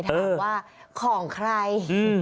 ถามว่าของใคร